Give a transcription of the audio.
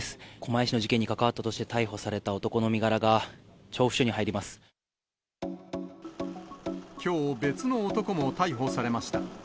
狛江市の事件に関わったとして、逮捕された男の身柄が、調布署にきょう、別の男も逮捕されました。